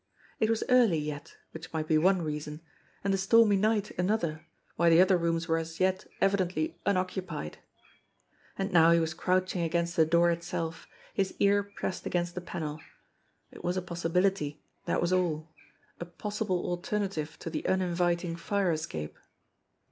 It was early yet, which might be one reason, and the stormy BEGGAR PETE 111 night another, why the other rooms were as yet evidently unoccupied. And now he was crouching against the door itself, his ear pressed against the panel. It was a possibility, that was all a possible alternative to the uninviting fire escape.